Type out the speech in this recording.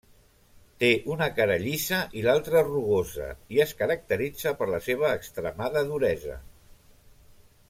Té una cara llisa i l'altra rugosa i es caracteritza per la seva extremada duresa.